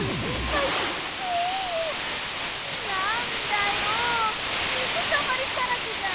なんだよ水たまりだらけじゃん。